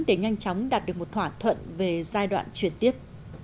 để nhanh chóng đạt được một thỏa thuận về giai đoạn chuyển tiếp